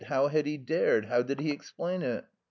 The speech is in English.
How had he dared? How did he explain it?